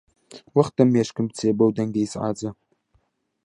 وەختە مێشکم بچێ بەو دەنگە ئیزعاجە.